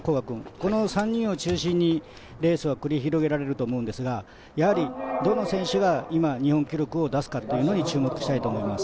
この３人を中心にレースが繰り広げられると思うんですがやはりどの選手が今、日本記録を出すかに注目したいと思います。